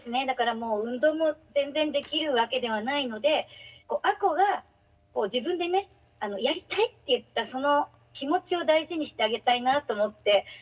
だからもう運動も全然できるわけではないので亜子が自分でねやりたいって言ったその気持ちを大事にしてあげたいなと思って。